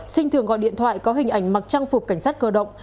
sinh thường gọi điện thoại có hình ảnh mặc trang phục cảnh sát cơ động